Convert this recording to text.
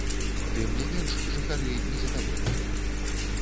Тым не менш, жыхары незадаволеныя.